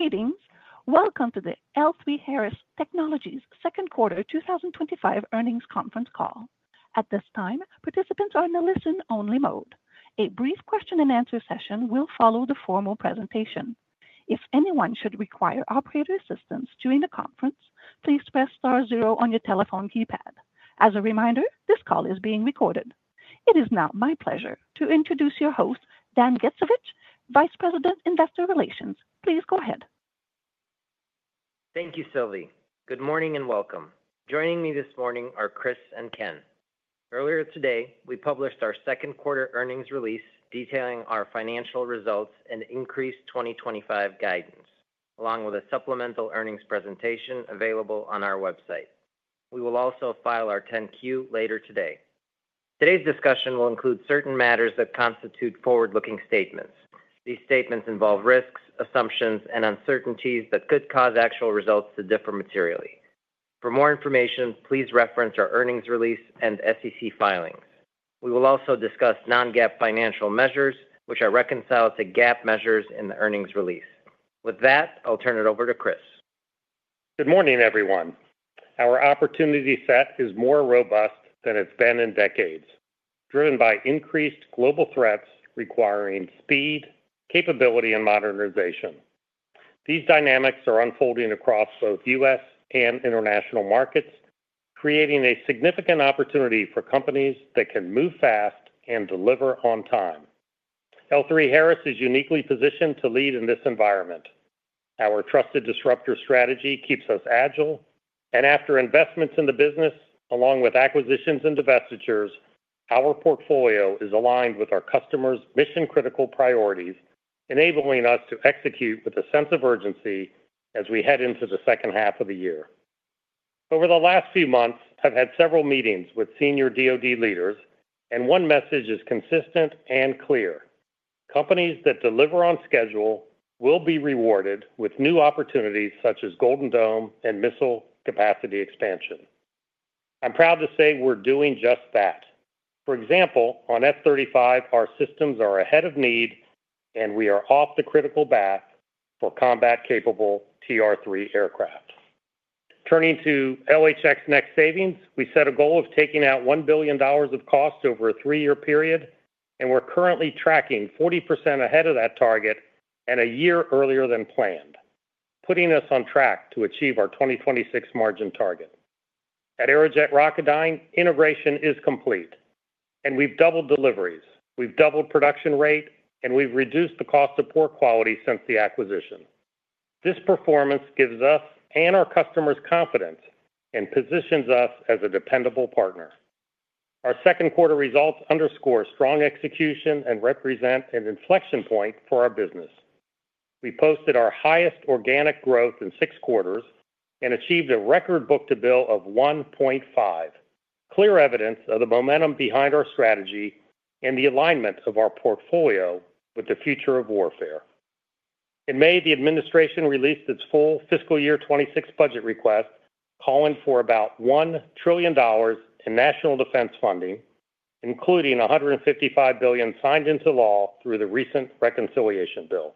Greetings. Welcome to the L3Harris Technologies Second Quarter 2025 Earnings Conference Call. At this time, participants are in the listen-only mode. A brief question-and-answer session will follow the formal presentation. If anyone should require operator assistance during the conference, please press star zero on your telephone keypad. As a reminder, this call is being recorded. It is now my pleasure to introduce your host, Daniel Gittsovich, Vice President, Investor Relations. Please go ahead. Thank you, Sylvie. Good morning and welcome. Joining me this morning are Chris and Ken. Earlier today, we published our second quarter earnings release detailing our financial results and increased 2025 guidance, along with a supplemental earnings presentation available on our website. We will also file our 10-Q later today. Today's discussion will include certain matters that constitute forward-looking statements. These statements involve risks, assumptions, and uncertainties that could cause actual results to differ materially. For more information, please reference our earnings release and SEC filings. We will also discuss non-GAAP financial measures, which are reconciled to GAAP measures in the earnings release. With that, I'll turn it over to Chris. Good morning, everyone. Our opportunity set is more robust than it's been in decades, driven by increased global threats requiring speed, capability, and modernization. These dynamics are unfolding across both U.S. and international markets, creating a significant opportunity for companies that can move fast and deliver on time. L3Harris is uniquely positioned to lead in this environment. Our trusted disruptor strategy keeps us agile, and after investments in the business, along with acquisitions and divestitures, our portfolio is aligned with our customers' mission-critical priorities, enabling us to execute with a sense of urgency as we head into the second half of the year. Over the last few months, I've had several meetings with senior DOD leaders, and one message is consistent and clear: companies that deliver on schedule will be rewarded with new opportunities such as Golden Dome and missile capacity expansion. I'm proud to say we're doing just that. For example, on F-35, our systems are ahead of need, and we are off the critical path for combat-capable TR-3 aircraft. Turning to LHX Next Savings, we set a goal of taking out $1 billion of cost over a three-year period, and we're currently tracking 40% ahead of that target and a year earlier than planned, putting us on track to achieve our 2026 margin target. At Aerojet Rocketdyne, integration is complete, and we've doubled deliveries. We've doubled production rate, and we've reduced the cost of poor quality since the acquisition. This performance gives us and our customers confidence and positions us as a dependable partner. Our second quarter results underscore strong execution and represent an inflection point for our business. We posted our highest organic growth in six quarters and achieved a record book to bill of 1.5, clear evidence of the momentum behind our strategy and the alignment of our portfolio with the future of warfare. In May, the administration released its full fiscal year 2026 budget request, calling for about $1 trillion in national defense funding, including $155 billion signed into law through the recent reconciliation bill.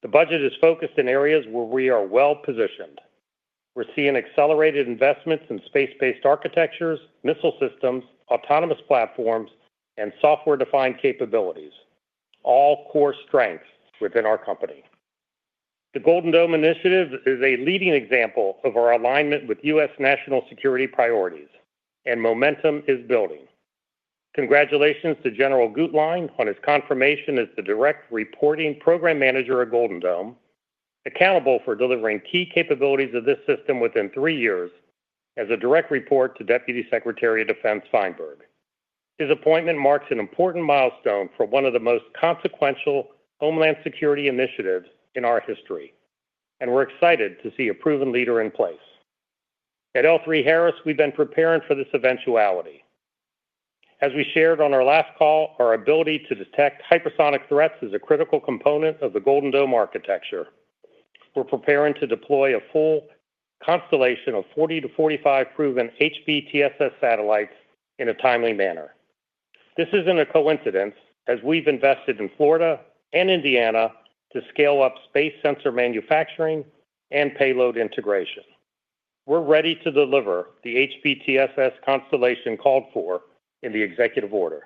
The budget is focused in areas where we are well positioned. We're seeing accelerated investments in space-based architectures, missile systems, autonomous platforms, and software-defined capabilities, all core strengths within our company. The Golden Dome Initiative is a leading example of our alignment with U.S. national security priorities, and momentum is building. Congratulations to General Guetlein on his confirmation as the direct reporting program manager at Golden Dome, accountable for delivering key capabilities of this system within three years as a direct report to Deputy Secretary of Defense Feinberg. His appointment marks an important milestone for one of the most consequential homeland security initiatives in our history, and we're excited to see a proven leader in place. At L3Harris, we've been preparing for this eventuality. As we shared on our last call, our ability to detect hypersonic threats is a critical component of the Golden Dome architecture. We're preparing to deploy a full constellation of 40-45 proven HBTSS satellites in a timely manner. This isn't a coincidence, as we've invested in Florida and Indiana to scale up space sensor manufacturing and payload integration. We're ready to deliver the HBTSS constellation called for in the executive order.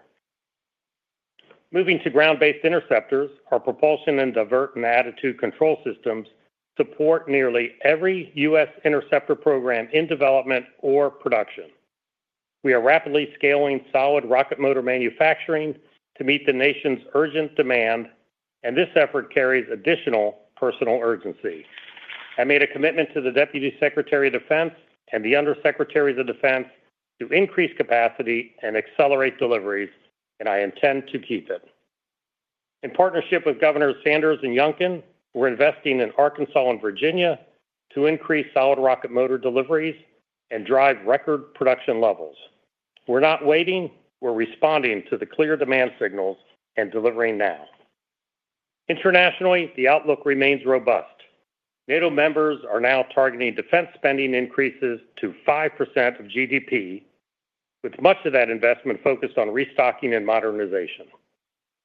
Moving to ground-based interceptors, our propulsion and divert and attitude control systems support nearly every U.S. interceptor program in development or production. We are rapidly scaling solid rocket motor manufacturing to meet the nation's urgent demand, and this effort carries additional personal urgency. I made a commitment to the Deputy Secretary of Defense and the undersecretaries of defense to increase capacity and accelerate deliveries, and I intend to keep it. In partnership with Governors Sanders and Youngkin, we're investing in Arkansas and Virginia to increase solid rocket motor deliveries and drive record production levels. We're not waiting; we're responding to the clear demand signals and delivering now. Internationally, the outlook remains robust. NATO members are now targeting defense spending increases to 5% of GDP, with much of that investment focused on restocking and modernization.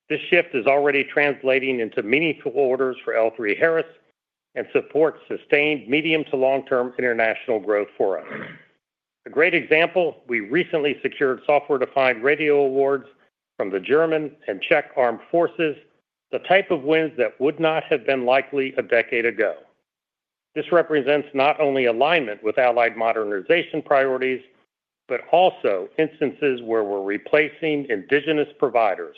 This shift is already translating into meaningful orders for L3Harris and supports sustained medium to long-term international growth for us. A great example: we recently secured software-defined radio awards from the German and Czech armed forces, the type of wins that would not have been likely a decade ago. This represents not only alignment with allied modernization priorities but also instances where we're replacing indigenous providers,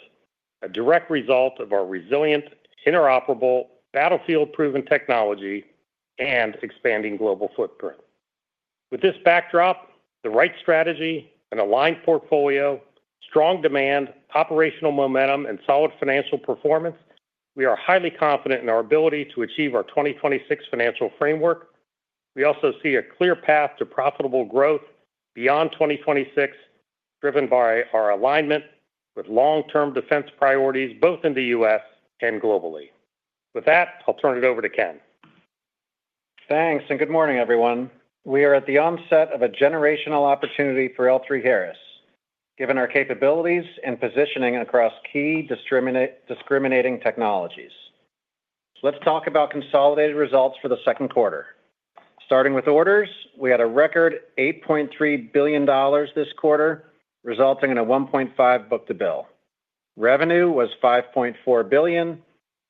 a direct result of our resilient, interoperable, battlefield-proven technology, and expanding global footprint. With this backdrop, the right strategy, an aligned portfolio, strong demand, operational momentum, and solid financial performance, we are highly confident in our ability to achieve our 2026 financial framework. We also see a clear path to profitable growth beyond 2026, driven by our alignment with long-term defense priorities both in the U.S. and globally. With that, I'll turn it over to Ken. Thanks, and good morning, everyone. We are at the onset of a generational opportunity for L3Harris, given our capabilities and positioning across key discriminating technologies. Let's talk about consolidated results for the second quarter. Starting with orders, we had a record $8.3 billion this quarter, resulting in a 1.5 book-to-bill. Revenue was $5.4 billion,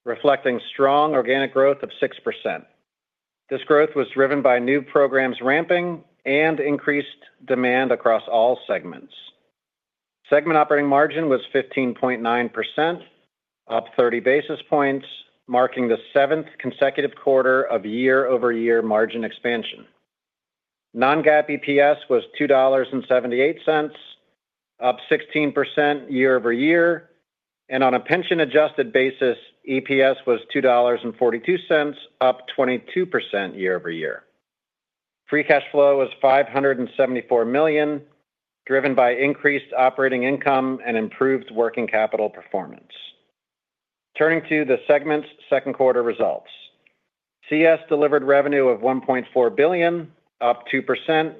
reflecting strong organic growth of 6%. This growth was driven by new programs ramping and increased demand across all segments. Segment operating margin was 15.9%, up 30 basis points, marking the seventh consecutive quarter of year-over-year margin expansion. Non-GAAP EPS was $2.78, up 16% year-over-year, and on a pension-adjusted basis, EPS was $2.42, up 22% year-over-year. Free cash flow was $574 million, driven by increased operating income and improved working capital performance. Turning to the segments' second quarter results. CS delivered revenue of $1.4 billion, up 2%,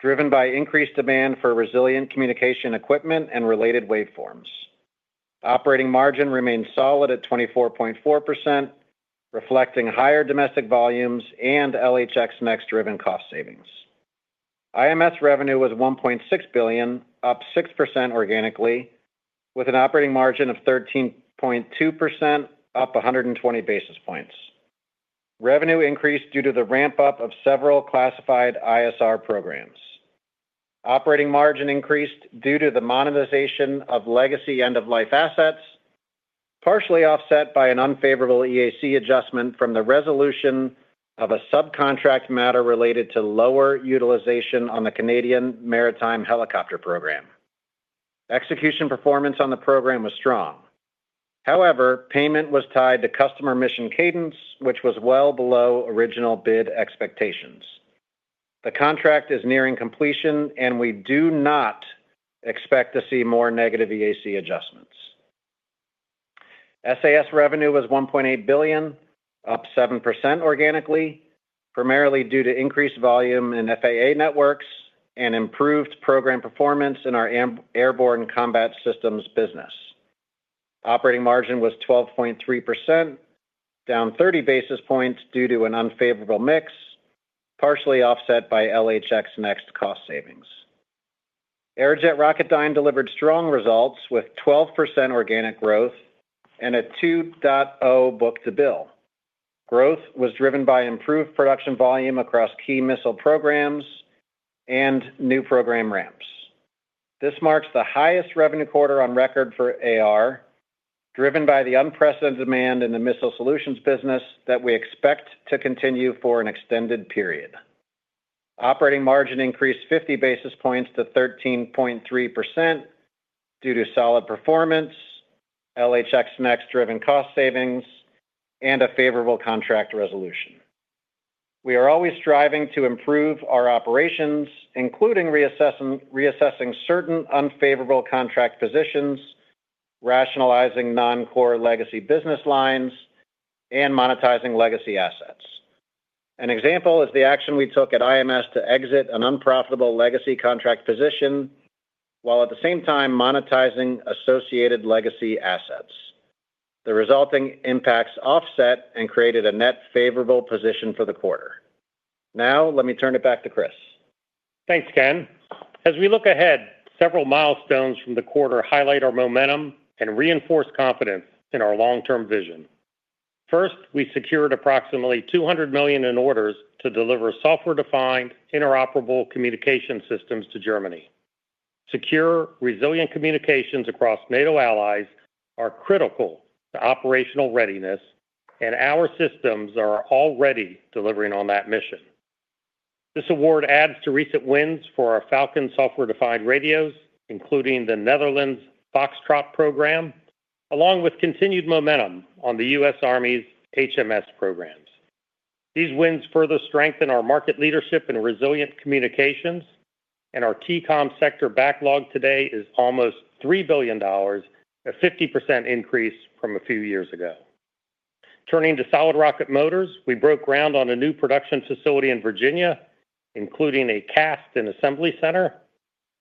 driven by increased demand for resilient communication equipment and related waveforms. Operating margin remained solid at 24.4%, reflecting higher domestic volumes and LHX Next-driven cost savings. IMS revenue was $1.6 billion, up 6% organically, with an operating margin of 13.2%, up 120 basis points. Revenue increased due to the ramp-up of several classified ISR programs. Operating margin increased due to the monetization of legacy end-of-life assets, partially offset by an unfavorable EAC adjustment from the resolution of a subcontract matter related to lower utilization on the Canadian Maritime Helicopter Program. Execution performance on the program was strong. However, payment was tied to customer mission cadence, which was well below original bid expectations. The contract is nearing completion, and we do not expect to see more negative EAC adjustments. SAS revenue was $1.8 billion, up 7% organically, primarily due to increased volume in Federal Aviation Administration networks and improved program performance in our airborne combat systems business. Operating margin was 12.3%, down 30 basis points due to an unfavorable mix, partially offset by LHX Next cost savings. Aerojet Rocketdyne delivered strong results with 12% organic growth and a 2.0 book-to-bill. Growth was driven by improved production volume across key missile programs and new program ramps. This marks the highest revenue quarter on record for Aerojet Rocketdyne, driven by the unprecedented demand in the missile solutions business that we expect to continue for an extended period. Operating margin increased 50 basis points to 13.3% due to solid performance, LHX Next-driven cost savings, and a favorable contract resolution. We are always striving to improve our operations, including reassessing certain unfavorable contract positions, rationalizing non-core legacy business lines, and monetizing legacy assets. An example is the action we took at IMS to exit an unprofitable legacy contract position, while at the same time monetizing associated legacy assets. The resulting impacts offset and created a net favorable position for the quarter. Now, let me turn it back to Chris. Thanks, Ken. As we look ahead, several milestones from the quarter highlight our momentum and reinforce confidence in our long-term vision. First, we secured approximately $200 million in orders to deliver software-defined interoperable communication systems to Germany. Secure, resilient communications across NATO allies are critical to operational readiness, and our systems are already delivering on that mission. This award adds to recent wins for our Falcon software-defined radios, including the Netherlands Foxtrot Program, along with continued momentum on the U.S. Army's HMS programs. These wins further strengthen our market leadership and resilient communications, and our TCOM sector backlog today is almost $3 billion, a 50% increase from a few years ago. Turning to solid rocket motors, we broke ground on a new production facility in Virginia, including a cast and assembly center.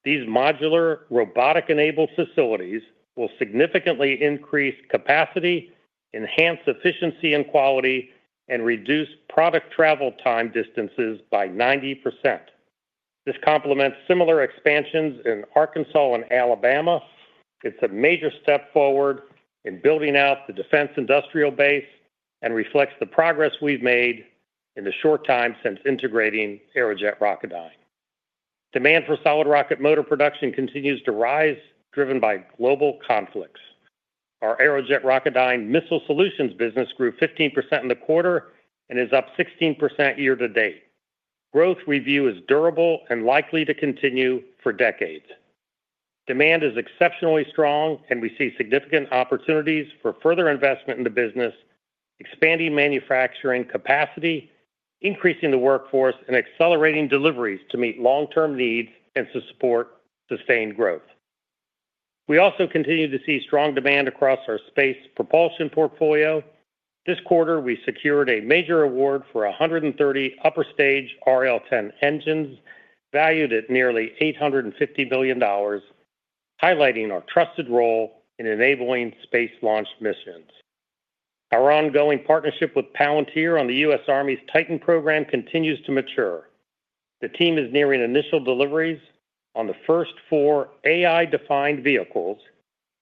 These modular, robotic-enabled facilities will significantly increase capacity, enhance efficiency and quality, and reduce product travel time distances by 90%. This complements similar expansions in Arkansas and Alabama. It is a major step forward in building out the defense industrial base and reflects the progress we have made in the short time since integrating Aerojet Rocketdyne. Demand for solid rocket motor production continues to rise, driven by global conflicts. Our Aerojet Rocketdyne missile solutions business grew 15% in the quarter and is up 16% year-to-date. Growth we view as durable and likely to continue for decades. Demand is exceptionally strong, and we see significant opportunities for further investment in the business. Expanding manufacturing capacity, increasing the workforce, and accelerating deliveries to meet long-term needs and to support sustained growth. We also continue to see strong demand across our space propulsion portfolio. This quarter, we secured a major award for 130 upper-stage RL10 engines, valued at nearly $850 million. Highlighting our trusted role in enabling space launch missions. Our ongoing partnership with Palantir on the U.S. Army's Titan program continues to mature. The team is nearing initial deliveries on the first four AI-defined vehicles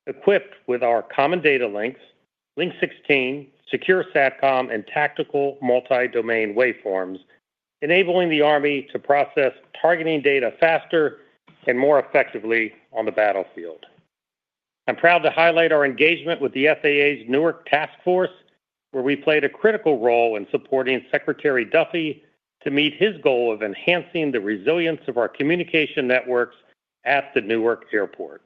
equipped with our common data links, Link 16, secure SATCOM, and tactical multi-domain waveforms, enabling the Army to process targeting data faster and more effectively on the battlefield. I'm proud to highlight our engagement with the FAA's Newark Task Force, where we played a critical role in supporting Secretary Duffy to meet his goal of enhancing the resilience of our communication networks at the Newark Airport.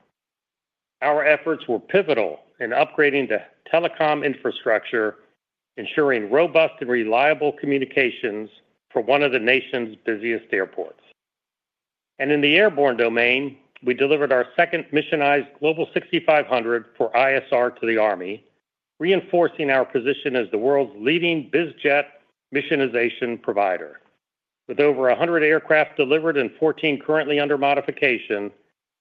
Our efforts were pivotal in upgrading the telecom infrastructure, ensuring robust and reliable communications for one of the nation's busiest airports. In the airborne domain, we delivered our second missionized Global 6500 for ISR to the Army, reinforcing our position as the world's leading Bizjet missionization provider. With over 100 aircraft delivered and 14 currently under modification,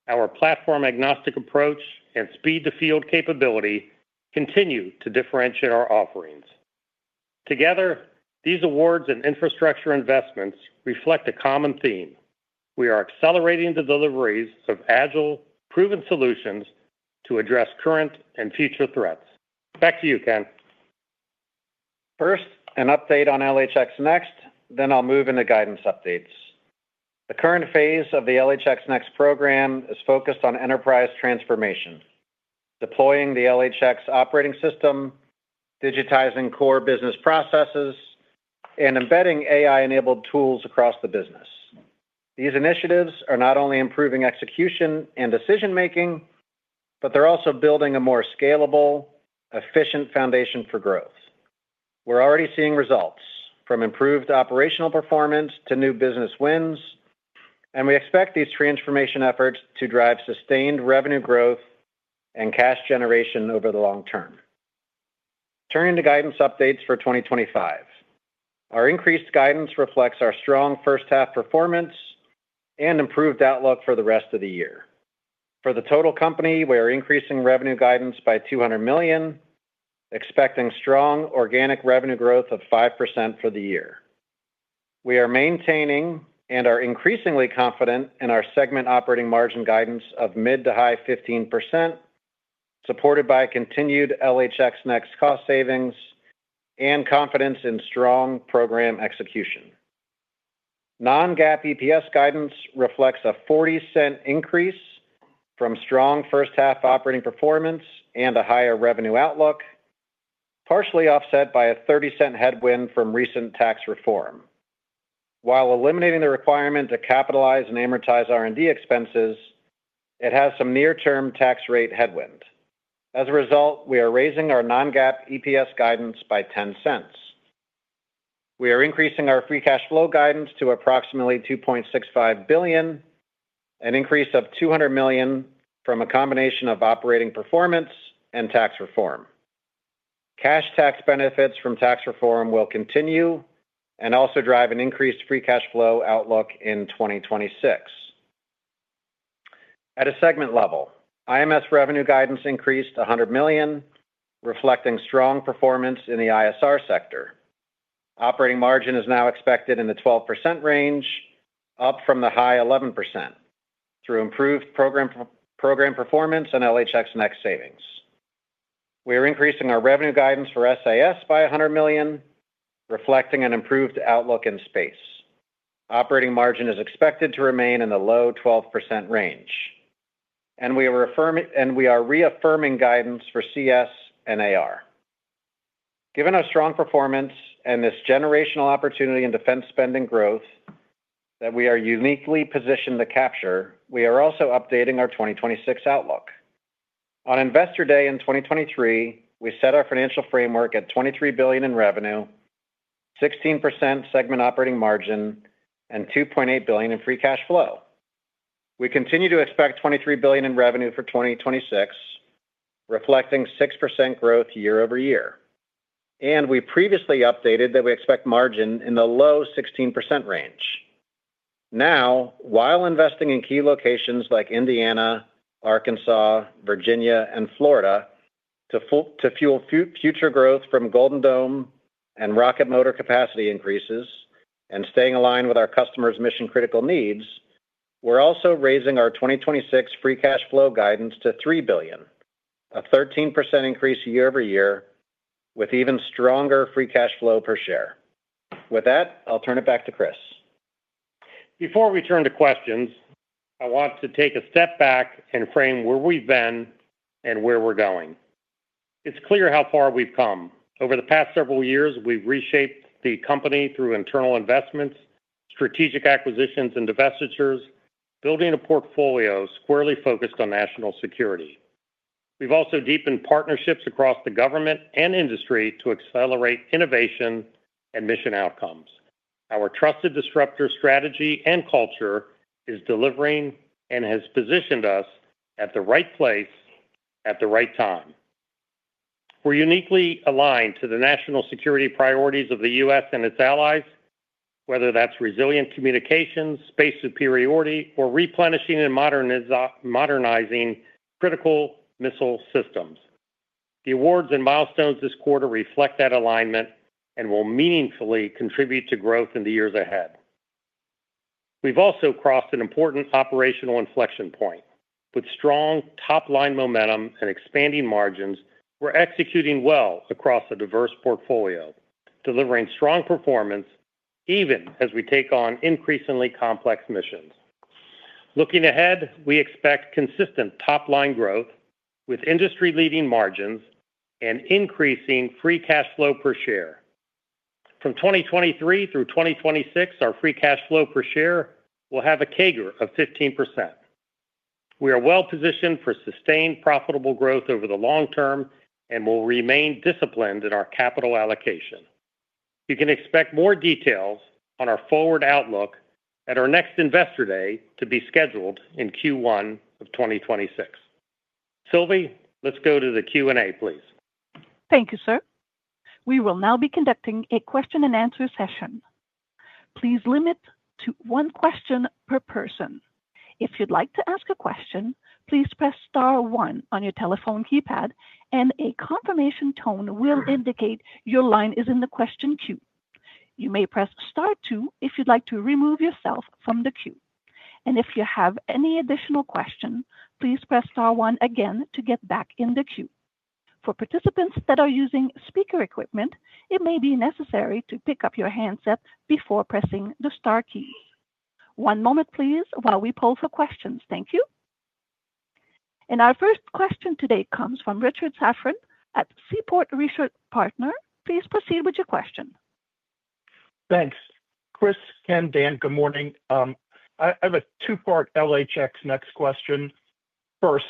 our platform-agnostic approach and speed-to-field capability continue to differentiate our offerings. Together, these awards and infrastructure investments reflect a common theme. We are accelerating the deliveries of agile, proven solutions to address current and future threats. Back to you, Ken. First, an update on LHX Next, then I'll move into guidance updates. The current phase of the LHX Next program is focused on enterprise transformation, deploying the LHX operating system, digitizing core business processes, and embedding AI-enabled tools across the business. These initiatives are not only improving execution and decision-making, but they're also building a more scalable, efficient foundation for growth. We're already seeing results, from improved operational performance to new business wins, and we expect these transformation efforts to drive sustained revenue growth and cash generation over the long term. Turning to guidance updates for 2025. Our increased guidance reflects our strong first-half performance and improved outlook for the rest of the year. For the total company, we are increasing revenue guidance by $200 million, expecting strong organic revenue growth of 5% for the year. We are maintaining and are increasingly confident in our segment operating margin guidance of mid to high 15%. Supported by continued LHX Next cost savings and confidence in strong program execution. Non-GAAP EPS guidance reflects a $0.40 increase from strong first-half operating performance and a higher revenue outlook. Partially offset by a $0.30 headwind from recent tax reform. While eliminating the requirement to capitalize and amortize R&D expenses, it has some near-term tax rate headwind. As a result, we are raising our non-GAAP EPS guidance by $0.10. We are increasing our free cash flow guidance to approximately $2.65 billion, an increase of $200 million from a combination of operating performance and tax reform. Cash tax benefits from tax reform will continue and also drive an increased free cash flow outlook in 2026. At a segment level, IMS revenue guidance increased $100 million, reflecting strong performance in the ISR sector. Operating margin is now expected in the 12% range, up from the high 11%, through improved program performance and LHX Next savings. We are increasing our revenue guidance for SAS by $100 million, reflecting an improved outlook in space. Operating margin is expected to remain in the low 12% range. And we are reaffirming guidance for CS and AR. Given our strong performance and this generational opportunity in defense spending growth that we are uniquely positioned to capture, we are also updating our 2026 outlook. On Investor Day in 2023, we set our financial framework at $23 billion in revenue, 16% segment operating margin, and $2.8 billion in free cash flow. We continue to expect $23 billion in revenue for 2026, reflecting 6% growth year-over-year. And we previously updated that we expect margin in the low 16% range. Now, while investing in key locations like Indiana, Arkansas, Virginia, and Florida to fuel future growth from Golden Dome and Rocket Motor capacity increases and staying aligned with our customers' mission-critical needs, we're also raising our 2026 free cash flow guidance to $3 billion, a 13% increase year-over-year, with even stronger free cash flow per share. With that, I'll turn it back to Chris. Before we turn to questions, I want to take a step back and frame where we've been and where we're going. It's clear how far we've come. Over the past several years, we've reshaped the company through internal investments, strategic acquisitions, and divestitures, building a portfolio squarely focused on national security. We've also deepened partnerships across the government and industry to accelerate innovation and mission outcomes. Our trusted disruptor strategy and culture is delivering and has positioned us at the right place at the right time. We're uniquely aligned to the national security priorities of the U.S. and its allies, whether that's resilient communications, space superiority, or replenishing and modernizing critical missile systems. The awards and milestones this quarter reflect that alignment and will meaningfully contribute to growth in the years ahead. We've also crossed an important operational inflection point. With strong top-line momentum and expanding margins, we're executing well across a diverse portfolio, delivering strong performance even as we take on increasingly complex missions. Looking ahead, we expect consistent top-line growth with industry-leading margins and increasing free cash flow per share. From 2023 through 2026, our free cash flow per share will have a CAGR of 15%. We are well-positioned for sustained profitable growth over the long term and will remain disciplined in our capital allocation. You can expect more details on our forward outlook at our next Investor Day to be scheduled in Q1 of 2026. Sylvie, let's go to the Q&A, please. Thank you, sir. We will now be conducting a question-and-answer session. Please limit to one question per person. If you'd like to ask a question, please press Star 1 on your telephone keypad, and a confirmation tone will indicate your line is in the question queue. You may press Star 2 if you'd like to remove yourself from the queue. If you have any additional question, please press Star 1 again to get back in the queue. For participants that are using speaker equipment, it may be necessary to pick up your handset before pressing the Star keys. One moment, please, while we poll for questions. Thank you. Our first question today comes from Richard Safran at Seaport Research Partners. Please proceed with your question. Thanks. Chris, Ken, Dan, good morning. I have a two-part LHX next question. First,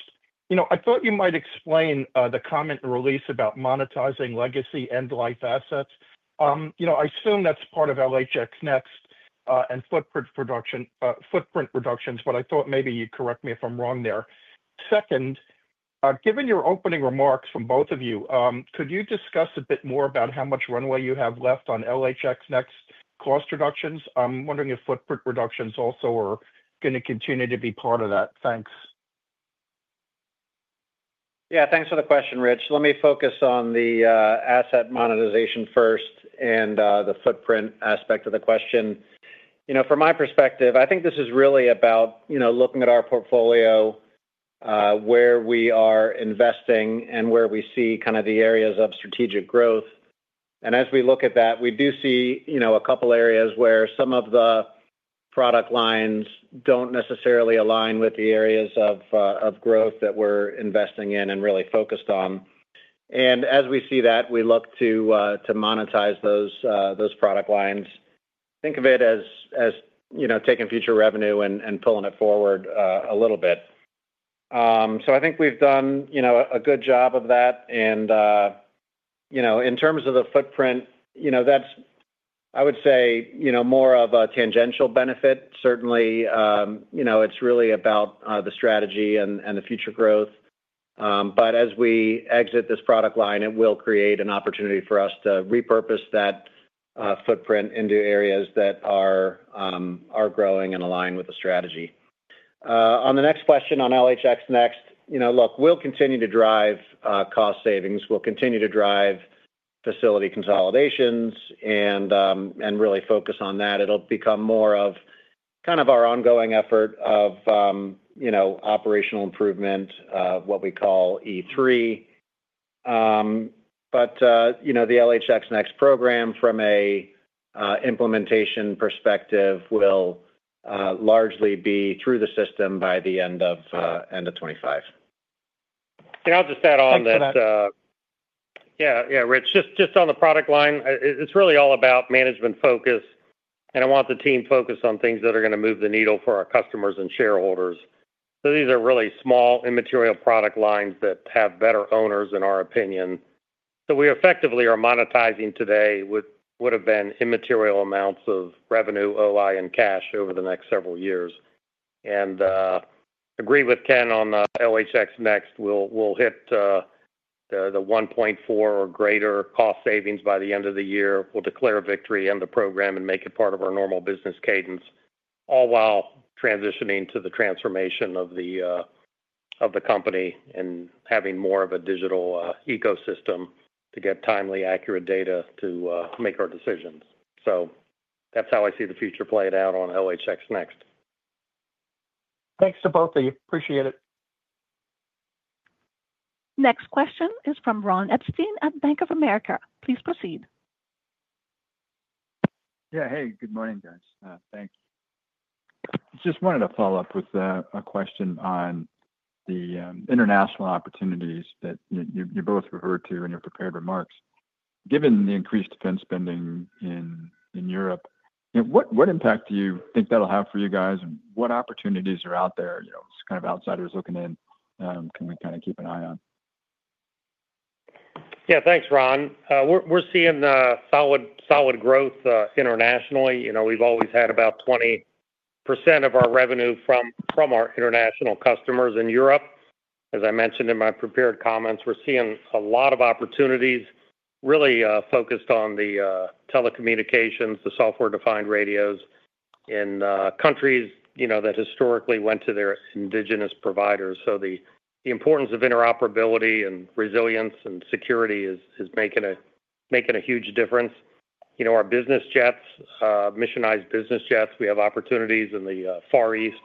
you know, I thought you might explain the comment and release about monetizing legacy end-life assets. You know, I assume that's part of LHX Next and footprint reductions, but I thought maybe you'd correct me if I'm wrong there. Second, given your opening remarks from both of you, could you discuss a bit more about how much runway you have left on LHX Next cost reductions? I'm wondering if footprint reductions also are going to continue to be part of that. Thanks. Yeah, thanks for the question, Rich. Let me focus on the asset monetization first and the footprint aspect of the question. You know from my perspective, I think this is really about, you know, looking at our portfolio. Where we are investing and where we see kind of the areas of strategic growth. And as we look at that, we do see, you know, a couple areas where some of the product lines do not necessarily align with the areas of growth that we are investing in and really focused on. And as we see that, we look to monetize those product lines. Think of it as taking future revenue and pulling it forward a little bit. I think we have done a good job of that. In terms of the footprint, you know, that is, I would say, you know, more of a tangential benefit. Certainly, you know, it is really about the strategy and the future growth. As we exit this product line, it will create an opportunity for us to repurpose that footprint into areas that are growing and aligned with the strategy. On the next question on LHX Next, you know, look, we will continue to drive cost savings. We will continue to drive facility consolidations and really focus on that. It will become more of kind of our ongoing effort of operational improvement, what we call E3. The LHX Next program, from an implementation perspective, will largely be through the system by the end of 2025. I will just add on that. Yeah, yeah, Rich, just on the product line, it is really all about management focus. I want the team focused on things that are going to move the needle for our customers and shareholders. These are really small, immaterial product lines that have better owners, in our opinion. We effectively are monetizing today what would have been immaterial amounts of revenue, OI, and cash over the next several years. I agree with Ken on the LHX Next. We will hit the $1.4 billion or greater cost savings by the end of the year. We will declare a victory and the program and make it part of our normal business cadence, all while transitioning to the transformation of the company and having more of a digital ecosystem to get timely, accurate data to make our decisions. That is how I see the future played out on LHX Next. Thanks to both of you. Appreciate it. Next question is from Ron Epstein at Bank of America. Please proceed. Yeah, hey, good morning, guys. Thanks. Just wanted to follow up with a question on the international opportunities that you both referred to in your prepared remarks. Given the increased defense spending in Europe, what impact do you think that'll have for you guys? And what opportunities are out there? It's kind of outsiders looking in. Can we kind of keep an eye on? Yeah, thanks, Ron. We're seeing solid growth internationally. We've always had about 20% of our revenue from our international customers in Europe. As I mentioned in my prepared comments, we're seeing a lot of opportunities really focused on the telecommunications, the software-defined radios in countries that historically went to their indigenous providers. The importance of interoperability and resilience and security is making a huge difference. Our business jets, missionized business jets, we have opportunities in the Far East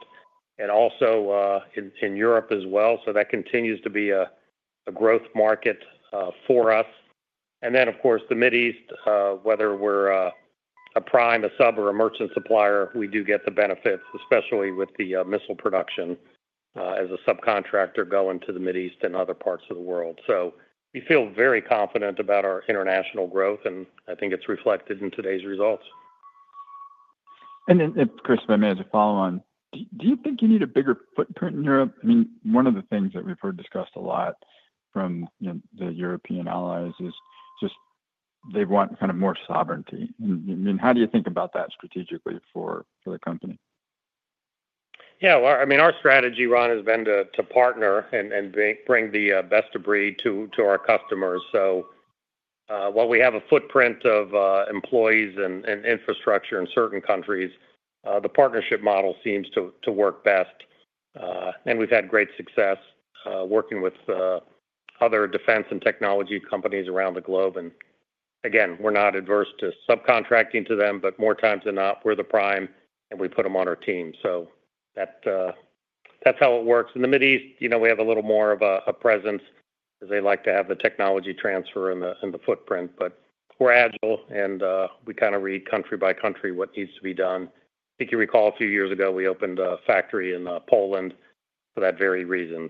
and also in Europe as well. That continues to be a growth market for us. Of course, the Middle East, whether we're a prime, a sub, or a merchant supplier, we do get the benefits, especially with the missile production as a subcontractor going to the Middle East and other parts of the world. We feel very confident about our international growth, and I think it's reflected in today's results. Chris, if I may, as a follow-on, do you think you need a bigger footprint in Europe? I mean, one of the things that we've heard discussed a lot from the European allies is just they want kind of more sovereignty. I mean, how do you think about that strategically for the company? Yeah, I mean, our strategy, Ron, has been to partner and bring the best of breed to our customers. While we have a footprint of employees and infrastructure in certain countries, the partnership model seems to work best. We've had great success working with other defense and technology companies around the globe. Again, we're not adverse to subcontracting to them, but more times than not, we're the prime, and we put them on our team. That's how it works. In the Middle East, you know we have a little more of a presence because they like to have the technology transfer and the footprint. We're agile, and we kind of read country by country what needs to be done. I think you recall a few years ago we opened a factory in Poland for that very reason.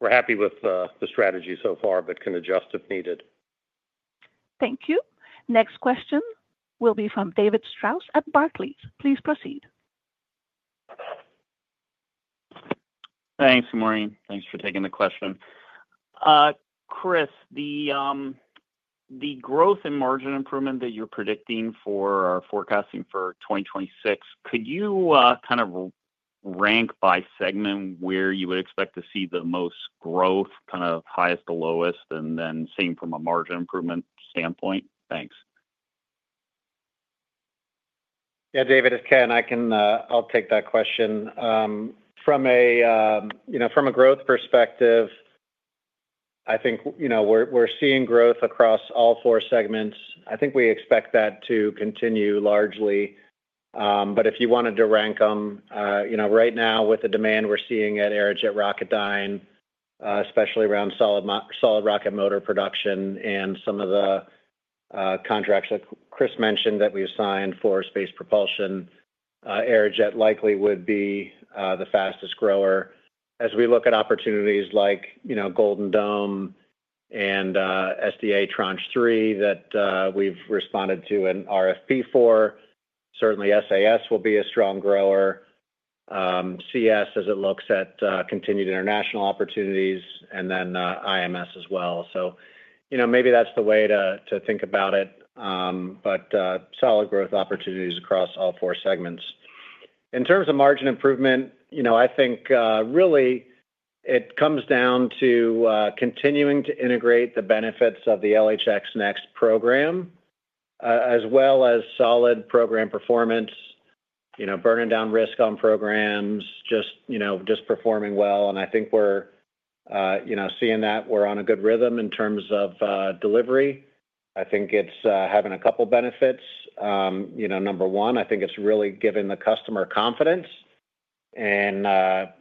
We're happy with the strategy so far, but can adjust if needed. Thank you. Next question will be from David Strauss at Barclays. Please proceed. Thanks, Maureen. Thanks for taking the question. Chris, the growth and margin improvement that you're predicting for or forecasting for 2026, could you kind of rank by segment where you would expect to see the most growth, kind of highest to lowest, and then same from a margin improvement standpoint? Thanks. Yeah, David, it's Ken. I'll take that question. From a growth perspective, I think you know we're seeing growth across all four segments. I think we expect that to continue largely. If you wanted to rank them, you know right now, with the demand we're seeing at Aerojet Rocketdyne, especially around solid rocket motor production and some of the contracts that Chris mentioned that we've signed for space propulsion, Aerojet likely would be the fastest grower. As we look at opportunities like Golden Dome and SDA Tranche 3 that we've responded to in RFP for, certainly SAS will be a strong grower. CS as it looks at continued international opportunities, and then IMS as well. You know maybe that's the way to think about it, but solid growth opportunities across all four segments. In terms of margin improvement, you know I think really it comes down to continuing to integrate the benefits of the LHX Next program as well as solid program performance, you know burning down risk on programs, just you know just performing well. I think we're you know seeing that we're on a good rhythm in terms of delivery. I think it's having a couple benefits. Number one, I think it's really giving the customer confidence and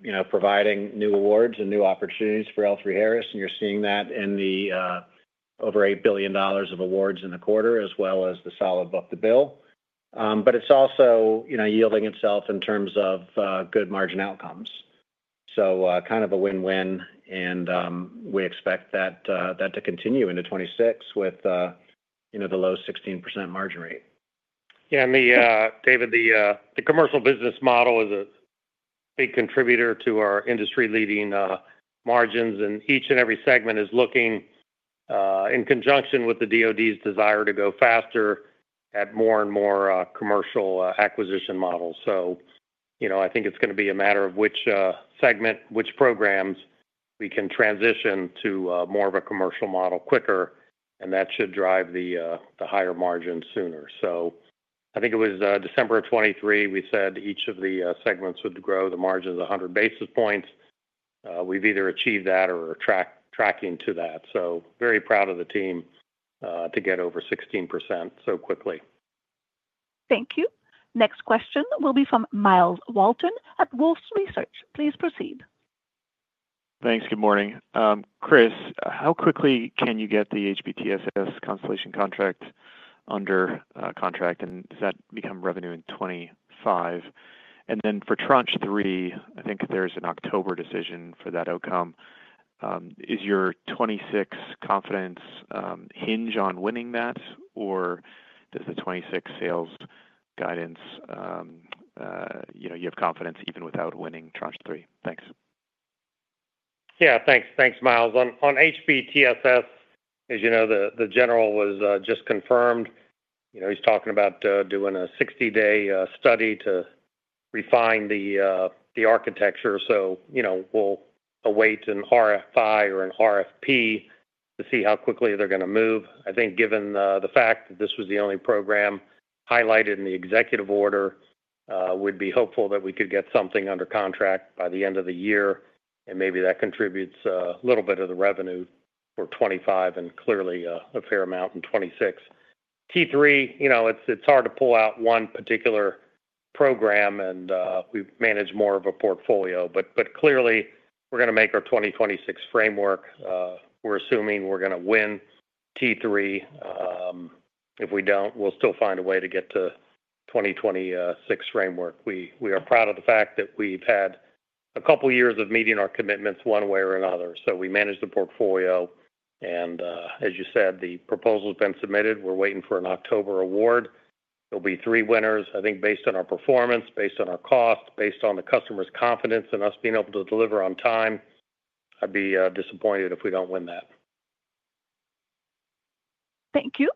you know providing new awards and new opportunities for L3Harris. You're seeing that in the over $8 billion of awards in the quarter, as well as the solid book-to-bill. It's also yielding itself in terms of good margin outcomes, kind of a win-win. We expect that to continue into 2026 with the low 16% margin rate. Yeah, and David, the commercial business model is a big contributor to our industry-leading margins. Each and every segment is looking. In conjunction with the Department of Defense's desire to go faster at more and more commercial acquisition models. You know I think it is going to be a matter of which segment, which programs we can transition to more of a commercial model quicker. That should drive the higher margin sooner. I think it was December of 2023, we said each of the segments would grow the margins 100 basis points. We have either achieved that or are tracking to that. Very proud of the team. To get over 16% so quickly. Thank you. Next question will be from Myles Walton at Wolfe Research. Please proceed. Thanks. Good morning. Chris, how quickly can you get the HBTSS Constellation contract under contract? Does that become revenue in 2025? For Tranche 3, I think there is an October decision for that outcome. Is your 2026 confidence hinge on winning that, or does the 2026 sales guidance have confidence even without winning Tranche 3? Thanks. Yeah, thanks. Thanks, Miles. On HBTSS, as you know, the general was just confirmed. You know he's talking about doing a 60-day study to refine the architecture. So you know we'll await an RFI or an RFP to see how quickly they're going to move. I think given the fact that this was the only program highlighted in the executive order, we'd be hopeful that we could get something under contract by the end of the year. Maybe that contributes a little bit of the revenue for 2025 and clearly a fair amount in 2026. T3, you know it's hard to pull out one particular program, and we manage more of a portfolio. Clearly, we're going to make our 2026 framework. We're assuming we're going to win T3. If we don't, we'll still find a way to get to the 2026 framework. We are proud of the fact that we've had a couple years of meeting our commitments one way or another. We manage the portfolio. As you said, the proposal has been submitted. We're waiting for an October award. There'll be three winners. I think based on our performance, based on our cost, based on the customer's confidence in us being able to deliver on time, I'd be disappointed if we don't win that. Thank you.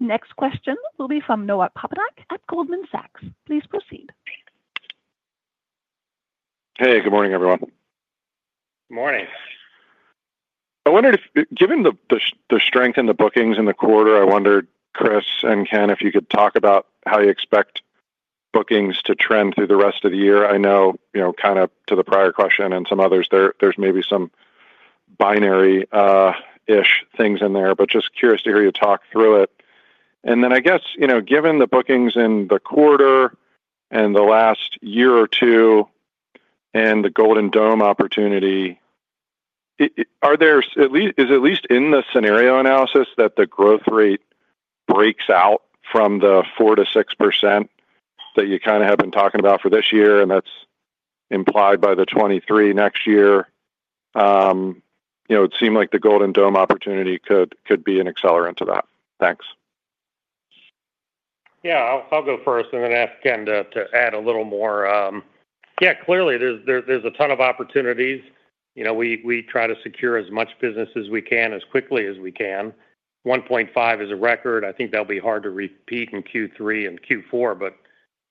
Next question will be from Noah Popodak at Goldman Sachs. Please proceed. Hey, good morning, everyone. Good morning. I wondered if, given the strength in the bookings in the quarter, I wondered, Chris and Ken, if you could talk about how you expect bookings to trend through the rest of the year. I know, you know, kind of to the prior question and some others, there's maybe some binary-ish things in there, but just curious to hear you talk through it. I guess, you know, given the bookings in the quarter and the last year or two, and the Golden Dome opportunity, is it at least in the scenario analysis that the growth rate breaks out from the 4%-6% that you kind of have been talking about for this year, and that's implied by the 2023 next year? You know, it seemed like the Golden Dome opportunity could be an accelerant to that. Thanks. Yeah, I'll go first. I'm going to ask Ken to add a little more. Yeah, clearly, there's a ton of opportunities. You know we try to secure as much business as we can as quickly as we can. $1.5 billion is a record. I think that'll be hard to repeat in Q3 and Q4, but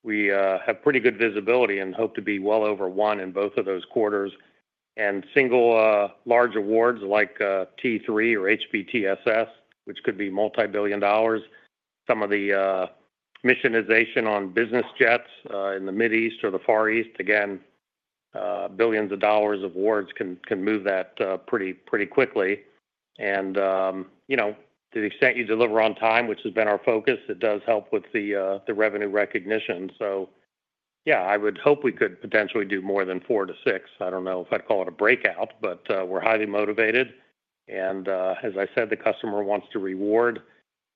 we have pretty good visibility and hope to be well over one in both of those quarters. Single large awards like TR-3 or HBTSS, which could be multi-billion dollars, some of the missionization on business jets in the Middle East or the Far East, again, billions of dollars of awards can move that pretty quickly. You know to the extent you deliver on time, which has been our focus, it does help with the revenue recognition. Yeah, I would hope we could potentially do more than four to six. I don't know if I'd call it a breakout, but we're highly motivated. As I said, the customer wants to reward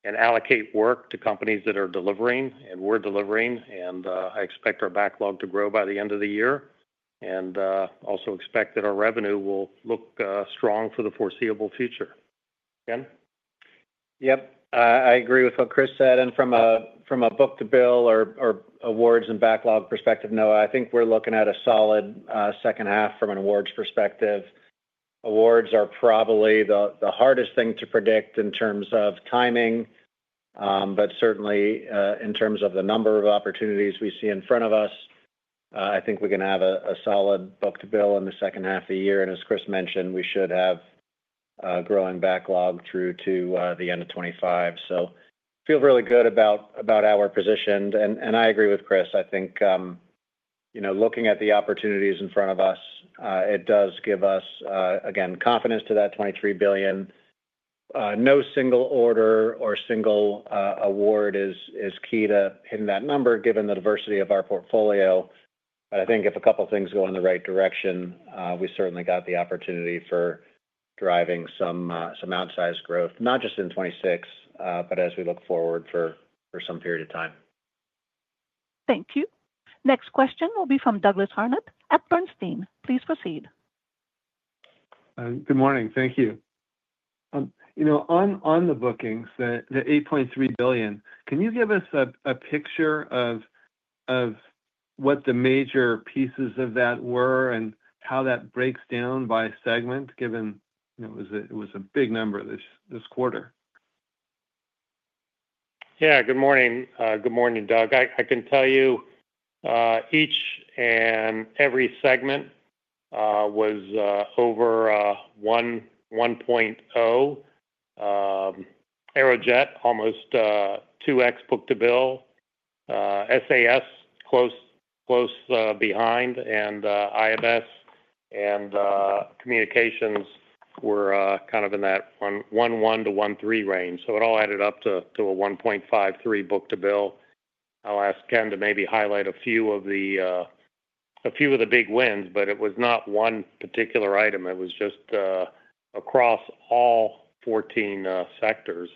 and allocate work to companies that are delivering and we're delivering. I expect our backlog to grow by the end of the year. I also expect that our revenue will look strong for the foreseeable future. Ken? Yep, I agree with what Chris said. From a book to bill or awards and backlog perspective, Noah, I think we're looking at a solid second half from an awards perspective. Awards are probably the hardest thing to predict in terms of timing. Certainly in terms of the number of opportunities we see in front of us, I think we're going to have a solid book to bill in the second half of the year. As Chris mentioned, we should have a growing backlog through to the end of 2025. I feel really good about how we're positioned. I agree with Chris. I think, you know, looking at the opportunities in front of us, it does give us, again, confidence to that $23 billion. No single order or single award is key to hitting that number given the diversity of our portfolio. I think if a couple of things go in the right direction, we certainly got the opportunity for driving some outsized growth, not just in 2026, but as we look forward for some period of time. Thank you. Next question will be from Douglas Harnett at Bernstein. Please proceed. Good morning. Thank you. You know on the bookings, the $8.3 billion, can you give us a picture of what the major pieces of that were and how that breaks down by segment, given it was a big number this quarter? Yeah, good morning. Good morning, Doug. I can tell you each and every segment was over 1.0. Aerojet, almost 2X book to bill. SAS, close behind, and IMS and Communications were kind of in that 1.1-1.3 range. It all added up to a 1.53 book to bill. I'll ask Ken to maybe highlight a few of the big wins, but it was not one particular item. It was just across all 14 sectors.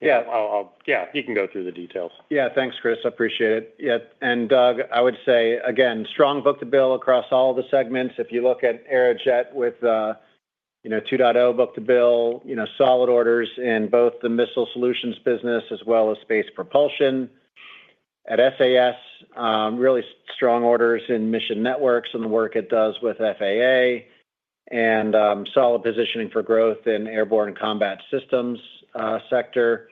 Yeah, you can go through the details. Yeah, thanks, Chris. I appreciate it. Yeah, and Doug, I would say, again, strong book-to-bill across all the segments. If you look at Aerojet with 2.0 book-to-bill, you know, solid orders in both the missile solutions business as well as space propulsion. At SAS, really strong orders in mission networks and the work it does with the F Solid positioning for growth in the airborne combat systems sector.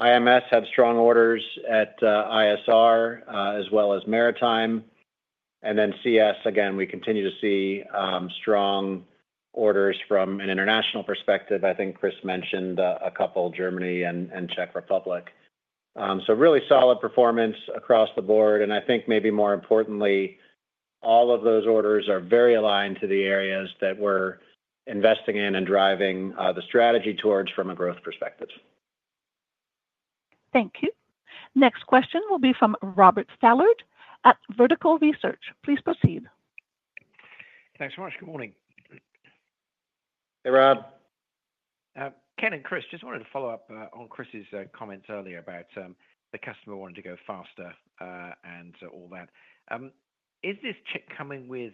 IMS had strong orders at ISR as well as maritime. CS, again, we continue to see strong orders from an international perspective. I think Chris mentioned a couple, Germany and Czech Republic. Really solid performance across the board. I think maybe more importantly, all of those orders are very aligned to the areas that we're investing in and driving the strategy towards from a growth perspective. Thank you. Next question will be from Robert Stallard at Vertical Research. Please proceed. Thanks so much. Good morning. Hey, Rob. Ken and Chris, just wanted to follow up on Chris's comments earlier about the customer wanting to go faster and all that. Is this chip coming with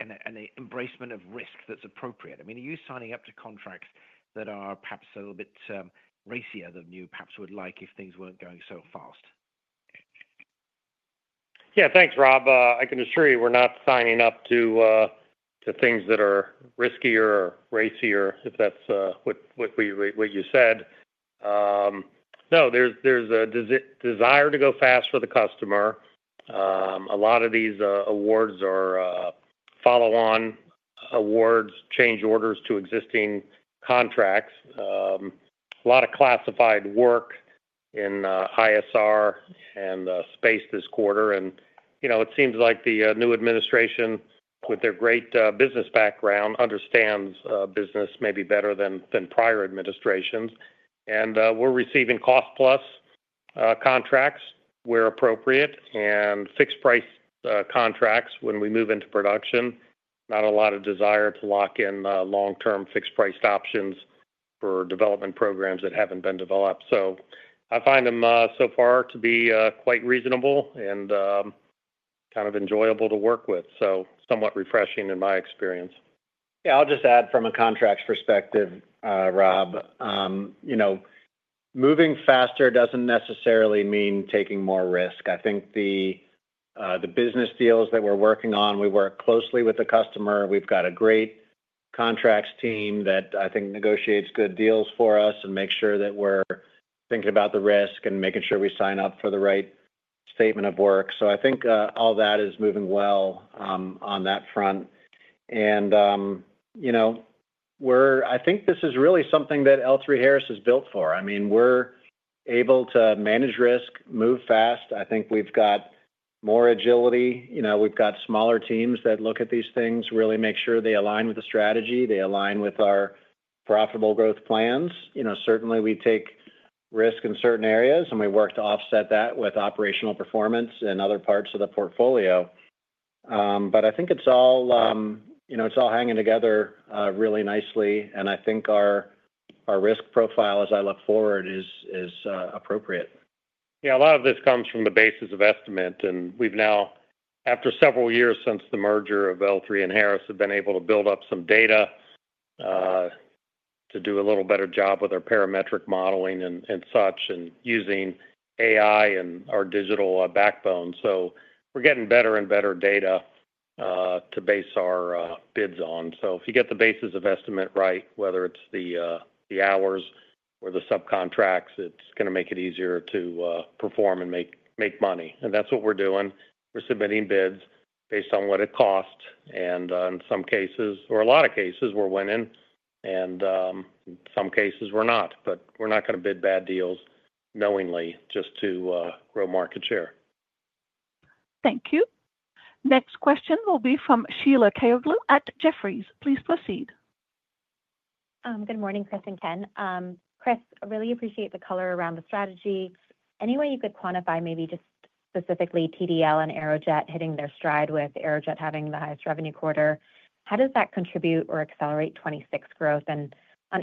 an embracement of risk that's appropriate? I mean, are you signing up to contracts that are perhaps a little bit racier than you perhaps would like if things weren't going so fast? Yeah, thanks, Rob. I can assure you we're not signing up to things that are riskier or racier, if that's what you said. No, there's a desire to go fast for the customer. A lot of these awards are follow-on awards, change orders to existing contracts. A lot of classified work in ISR and space this quarter. And you know it seems like the new administration, with their great business background, understands business maybe better than prior administrations. And we're receiving cost-plus contracts where appropriate and fixed-price contracts when we move into production. Not a lot of desire to lock in long-term fixed-price options for development programs that haven't been developed. I find them so far to be quite reasonable and kind of enjoyable to work with. Somewhat refreshing in my experience. Yeah, I'll just add from a contracts perspective, Rob. You know moving faster doesn't necessarily mean taking more risk. I think the business deals that we're working on, we work closely with the customer. We've got a great contracts team that I think negotiates good deals for us and makes sure that we're thinking about the risk and making sure we sign up for the right statement of work. I think all that is moving well on that front. You know, I think this is really something that L3Harris has built for. I mean, we're able to manage risk, move fast. I think we've got more agility. You know we've got smaller teams that look at these things, really make sure they align with the strategy, they align with our profitable growth plans. You know certainly we take risk in certain areas, and we work to offset that with operational performance and other parts of the portfolio. I think it's all, you know it's all hanging together really nicely. I think our risk profile, as I look forward, is appropriate. Yeah, a lot of this comes from the basis of estimate. We've now, after several years since the merger of L3 and Harris, been able to build up some data to do a little better job with our parametric modeling and such and using AI and our digital backbone. We're getting better and better data to base our bids on. If you get the basis of estimate right, whether it's the hours or the subcontracts, it's going to make it easier to perform and make money. That's what we're doing. We're submitting bids based on what it costs. In some cases, or a lot of cases, we're winning. In some cases, we're not. We're not going to bid bad deals knowingly just to grow market share. Thank you. Next question will be from Sheila Kahyaoglu at Jefferies. Please proceed. Good morning, Chris and Ken. Chris, I really appreciate the color around the strategy. Any way you could quantify maybe just specifically TDL and Aerojet hitting their stride with Aerojet having the highest revenue quarter, how does that contribute or accelerate 2026 growth? On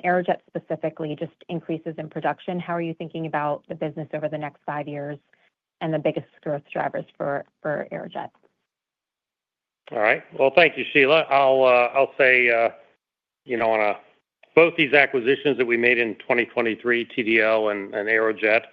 Aerojet specifically, just increases in production, how are you thinking about the business over the next five years and the biggest growth drivers for Aerojet? All right. Thank you, Sheila. I'll say, you know, on both these acquisitions that we made in 2023, TDL and Aerojet,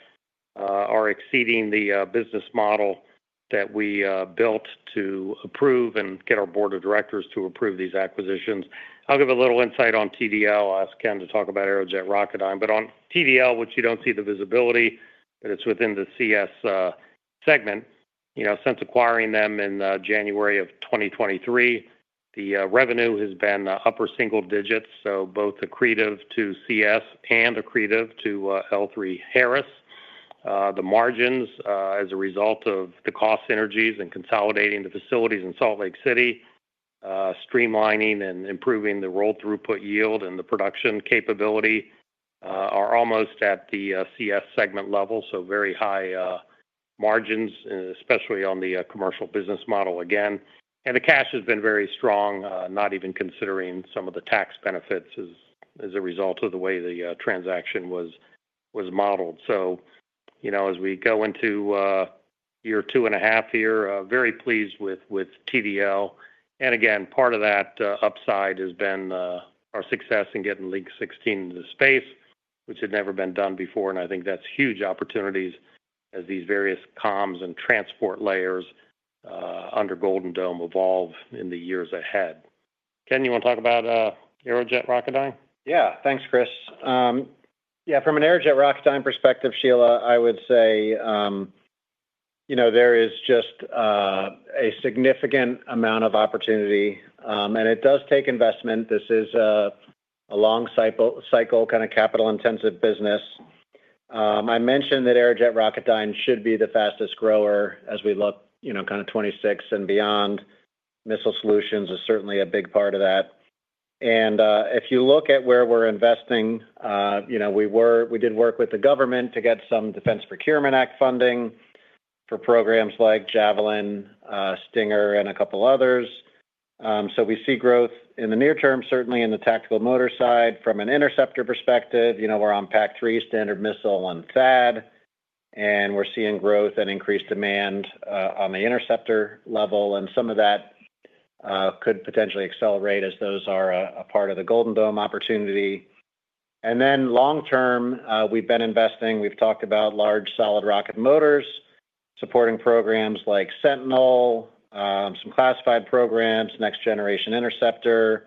are exceeding the business model that we built to approve and get our board of directors to approve these acquisitions. I'll give a little insight on TDL. I'll ask Ken to talk about Aerojet Rocketdyne. On TDL, which you don't see the visibility, but it's within the CS segment, you know, since acquiring them in January of 2023, the revenue has been upper single digits, so both accretive to CS and accretive to L3Harris. The margins as a result of the cost synergies and consolidating the facilities in Salt Lake City, streamlining and improving the roll-through put yield and the production capability, are almost at the CS segment level, so very high margins, especially on the commercial business model again. The cash has been very strong, not even considering some of the tax benefits as a result of the way the transaction was modeled. You know, as we go into year two and a half here, very pleased with TDL. Part of that upside has been our success in getting Link 16 into the space, which had never been done before. I think that's huge opportunities as these various comms and transport layers under Golden Dome evolve in the years ahead. Ken, you want to talk about Aerojet Rocketdyne? Yeah, thanks, Chris. Yeah, from an Aerojet Rocketdyne perspective, Sheila, I would say, you know, there is just a significant amount of opportunity. And it does take investment. This is a long cycle, kind of capital-intensive business. I mentioned that Aerojet Rocketdyne should be the fastest grower as we look, you know, kind of 2026 and beyond. Missile solutions is certainly a big part of that. If you look at where we're investing, you know, we did work with the government to get some Defense Procurement Act funding for programs like Javelin, Stinger, and a couple others. We see growth in the near term, certainly in the tactical motor side. From an interceptor perspective, you know, we're on PAC-3, Standard Missile, and THAAD. We're seeing growth and increased demand on the interceptor level. Some of that could potentially accelerate as those are a part of the Golden Dome opportunity. Long term, we've been investing. We've talked about large solid rocket motors, supporting programs like Sentinel, some classified programs, next generation interceptor,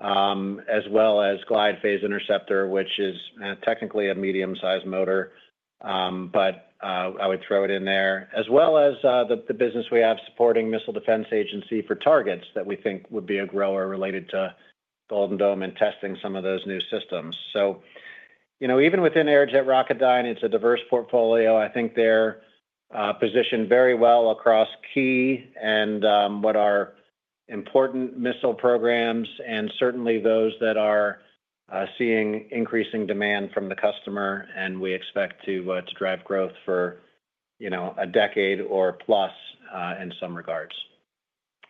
as well as glide phase interceptor, which is technically a medium-sized motor, but I would throw it in there, as well as the business we have supporting Missile Defense Agency for targets that we think would be a grower related to Golden Dome and testing some of those new systems. You know, even within Aerojet Rocketdyne, it's a diverse portfolio. I think they're positioned very well across key and what are important missile programs and certainly those that are seeing increasing demand from the customer. We expect to drive growth for, you know, a decade or plus in some regards.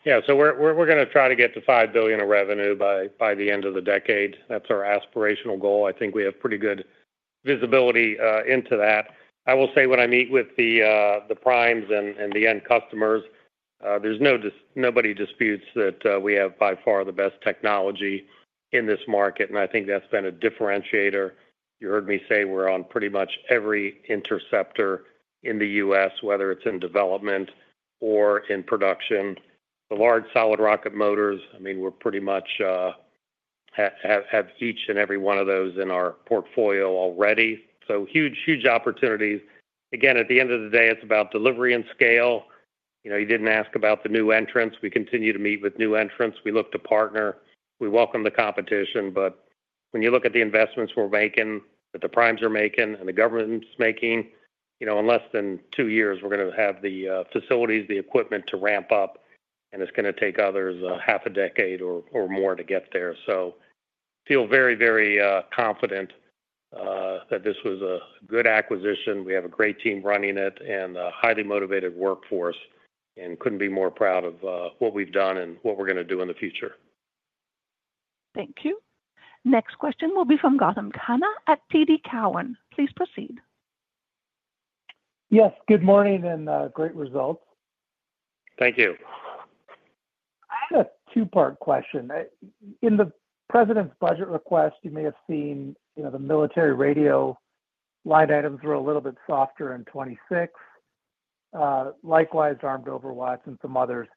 Yeah, so we're going to try to get to $5 billion of revenue by the end of the decade. That's our aspirational goal. I think we have pretty good visibility into that. I will say when I meet with the primes and the end customers, there's nobody disputes that we have by far the best technology in this market. And I think that's been a differentiator. You heard me say we're on pretty much every interceptor in the U.S., whether it's in development or in production. The large solid rocket motors, I mean, we pretty much have each and every one of those in our portfolio already. So huge, huge opportunities. Again, at the end of the day, it's about delivery and scale. You know you didn't ask about the new entrants. We continue to meet with new entrants. We look to partner. We welcome the competition. But when you look at the investments we're making, that the primes are making, and the government's making, you know in less than two years, we're going to have the facilities, the equipment to ramp up. And it's going to take others half a decade or more to get there. I feel very, very confident that this was a good acquisition. We have a great team running it and a highly motivated workforce. Couldn't be more proud of what we've done and what we're going to do in the future. Thank you. Next question will be from Gautam Khanna at TD Cowen. Please proceed. Yes, good morning and great results. Thank you. I have a two-part question. In the president's budget request, you may have seen, you know, the military radio line items were a little bit softer in 2026. Likewise, Armed Overwatch and some others.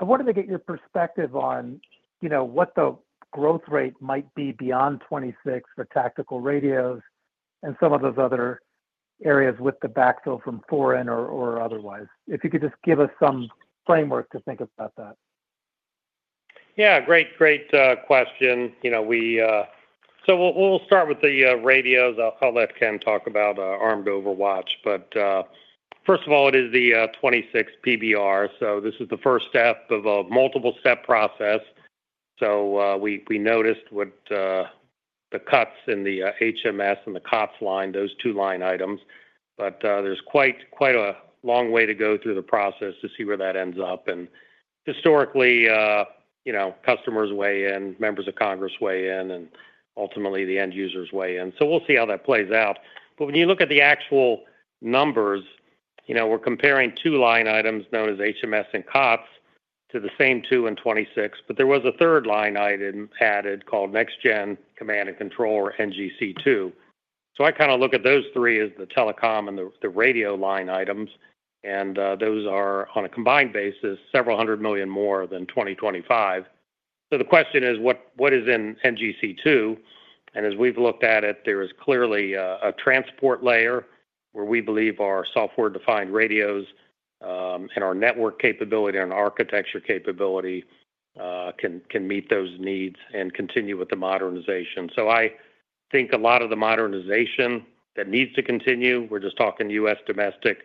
I wanted to get your perspective on, you know, what the growth rate might be beyond 2026 for tactical radios and some of those other areas with the backfill from foreign or otherwise. If you could just give us some framework to think about that. Yeah, great, great question. You know, we. So we'll start with the radios. I'll let Ken talk about Armed Overwatch. First of all, it is the 2026 PBR. This is the first step of a multiple-step process. We noticed the cuts in the HMS and the COPS line, those two line items. There is quite a long way to go through the process to see where that ends up. Historically, you know, customers weigh in, members of Congress weigh in, and ultimately the end users weigh in. We'll see how that plays out. When you look at the actual numbers, you know, we're comparing two line items known as HMS and COPS to the same two in 2026. There was a third line item added called Next Gen Command and Control or NGC2. I kind of look at those three as the telecom and the radio line items. Those are, on a combined basis, several hundred million more than 2025. The question is, what is in NGC2? As we've looked at it, there is clearly a transport layer where we believe our software-defined radios and our network capability and architecture capability can meet those needs and continue with the modernization. I think a lot of the modernization that needs to continue, we're just talking U.S. domestic,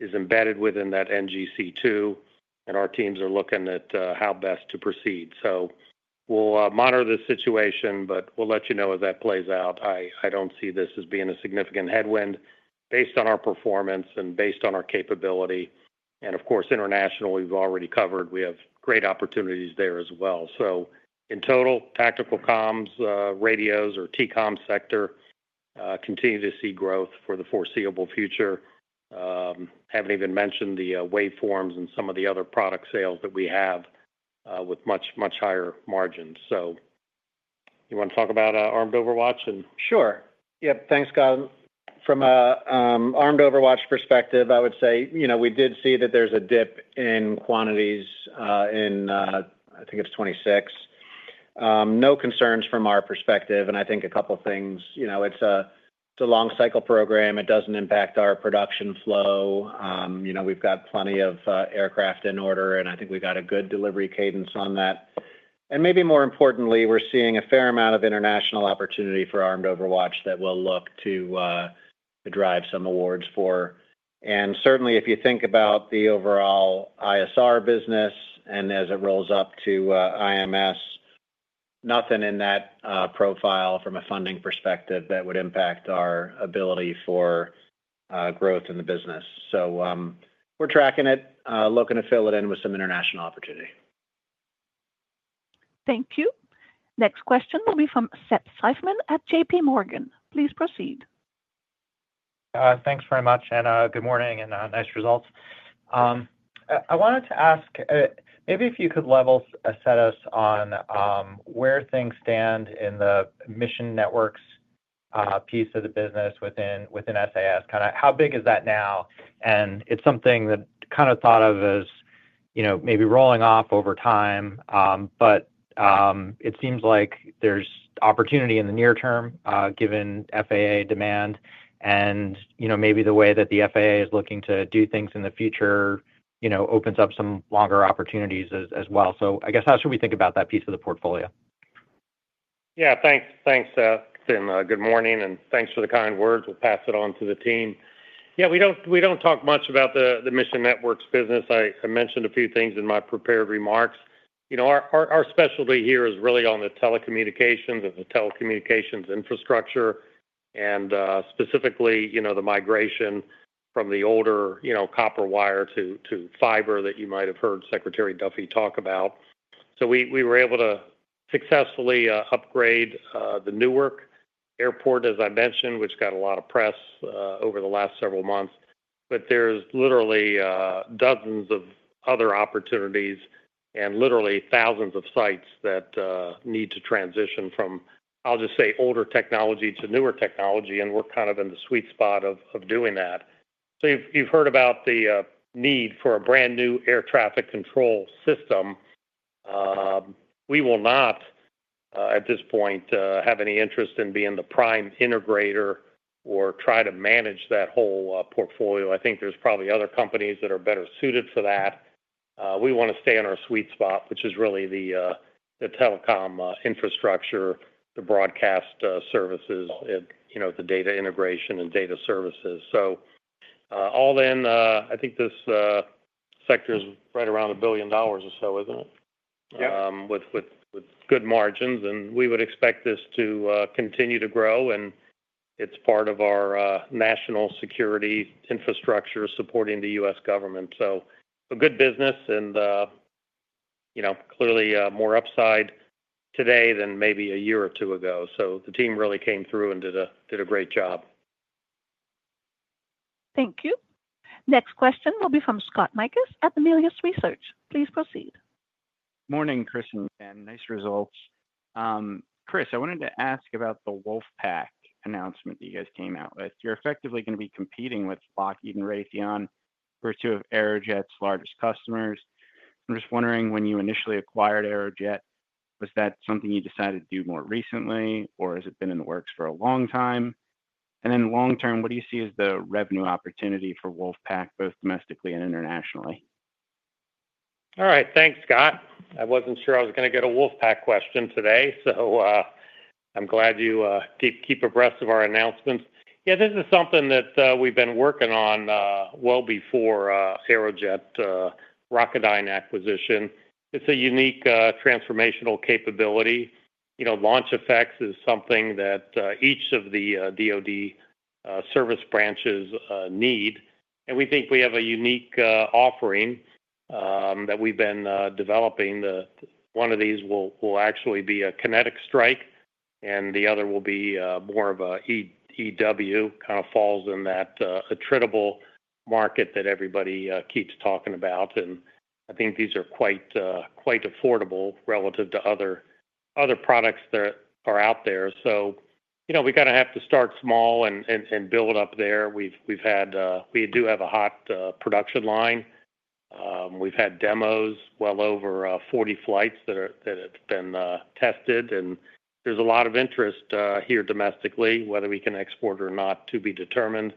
is embedded within that NGC2. Our teams are looking at how best to proceed. We'll monitor this situation, but we'll let you know as that plays out. I don't see this as being a significant headwind based on our performance and based on our capability. Of course, international, we've already covered. We have great opportunities there as well. In total, tactical comms, radios, or TCOM sector continue to see growth for the foreseeable future. I haven't even mentioned the waveforms and some of the other product sales that we have with much, much higher margins. You want to talk about Armed Overwatch? Sure. Yep, thanks, Gautam. From an Armed Overwatch perspective, I would say, you know, we did see that there's a dip in quantities in, I think it's 2026. No concerns from our perspective. I think a couple of things, you know, it's a long-cycle program. It does not impact our production flow. You know, we've got plenty of aircraft in order, and I think we've got a good delivery cadence on that. Maybe more importantly, we're seeing a fair amount of international opportunity for Armed Overwatch that we'll look to drive some awards for. Certainly, if you think about the overall ISR business and as it rolls up to IMS, nothing in that profile from a funding perspective that would impact our ability for growth in the business. We are tracking it, looking to fill it in with some international opportunity. Thank you. Next question will be from Sepp Seifman at JPMorgan. Please proceed. Thanks very much, and good morning and nice results. I wanted to ask maybe if you could level set us on where things stand in the mission networks piece of the business within SAS. Kind of how big is that now? And it's something that kind of thought of as, you know, maybe rolling off over time. It seems like there's opportunity in the near term given FAA demand. And, you know, maybe the way that the FAA is looking to do things in the future, you know, opens up some longer opportunities as well. I guess how should we think about that piece of the portfolio? Yeah, thanks, thanks, Sepp. And good morning, and thanks for the kind words. We'll pass it on to the team. Yeah, we don't talk much about the mission networks business. I mentioned a few things in my prepared remarks. You know our specialty here is really on the telecommunications and the telecommunications infrastructure, and specifically you know the migration from the older, you know, copper wire to fiber that you might have heard Secretary Duffy talk about. So we were able to successfully upgrade the Newark Airport, as I mentioned, which got a lot of press over the last several months. But there's literally dozens of other opportunities and literally thousands of sites that need to transition from, I'll just say, older technology to newer technology. And we're kind of in the sweet spot of doing that. You know, you've heard about the need for a brand new air traffic control system. We will not at this point have any interest in being the prime integrator or try to manage that whole portfolio. I think there's probably other companies that are better suited for that. We want to stay in our sweet spot, which is really the telecom infrastructure, the broadcast services, you know, the data integration and data services. All in, I think this sector is right around $1 billion or so, isn't it? With good margins. We would expect this to continue to grow. It's part of our national security infrastructure supporting the U.S. government. A good business and, you know, clearly more upside today than maybe a year or two ago. The team really came through and did a great job. Thank you. Next question will be from Scott Mikus at Melius Research. Please proceed. Morning, Chris and Ken. Nice results. Chris, I wanted to ask about the Wolfpack announcement that you guys came out with. You're effectively going to be competing with Lockheed and Raytheon for two of Aerojet's largest customers. I'm just wondering, when you initially acquired Aerojet, was that something you decided to do more recently, or has it been in the works for a long time? Then long term, what do you see as the revenue opportunity for Wolfpack, both domestically and internationally? All right, thanks, Scott. I was not sure I was going to get a Wolfpack question today. I am glad you keep abreast of our announcements. This is something that we have been working on well before the Aerojet Rocketdyne acquisition. It is a unique transformational capability. You know, launch effects is something that each of the DOD service branches need, and we think we have a unique offering that we have been developing. One of these will actually be a kinetic strike, and the other will be more of an EW, kind of falls in that attritable market that everybody keeps talking about. I think these are quite affordable relative to other products that are out there. You know, we kind of have to start small and build up there. We do have a hot production line. We have had demos, well over 40 flights that have been tested. There is a lot of interest here domestically, whether we can export or not to be determined.